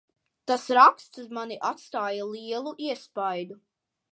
Tas raksts uz mani atstāja lielu iespaidu.